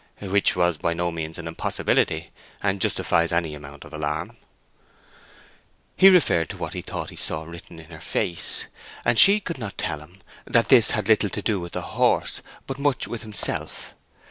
"Which was by no means an impossibility, and justifies any amount of alarm." He referred to what he thought he saw written in her face, and she could not tell him that this had little to do with the horse, but much with himself.